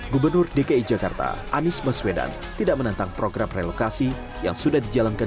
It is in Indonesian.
gubernur dki jakarta anies baswedan tidak menantang program relokasi yang sudah dijalankan